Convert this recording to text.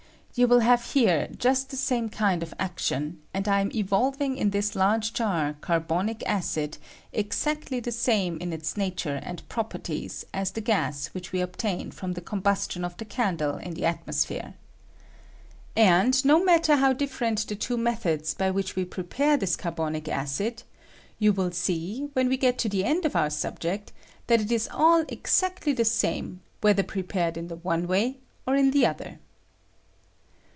You will have herejuBtthe same kind of action; and I am evolving in this large jar carbonic acid exactly the same in its nature and properties as the gas which we obtained from the combus tion of the candle in the atmosphere. And, no matter how different the two methods by ■which "we prepare this carbonic acid, you ■will see, I when we get to the end of our subject, that it is aU exactly the same, whether prepared in the one way or in the other.